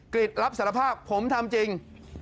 ริจรับสารภาพผมทำจริง